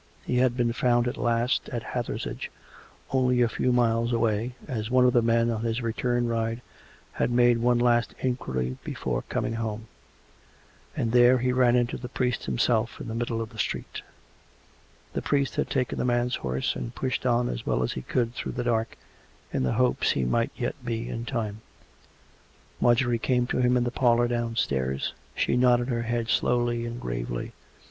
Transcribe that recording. He had been found at last at Hathersage, only a few miles away, as one of the men, on his return ride, had made one last inquiry before coming home; and there he ran into the priest himself in the middle of the street. The priest had taken the man's horse and pushed on as well as he could through the dark, in the hopes he might yet be in time. Marjorie came to him in the parlour downstairs. She nodded her head slowly and gravely.